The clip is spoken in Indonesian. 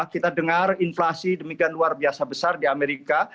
kita dengar inflasi demikian luar biasa besar di amerika